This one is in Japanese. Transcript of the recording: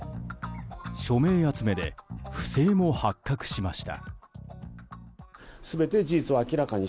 署名集めで不正も発覚しました。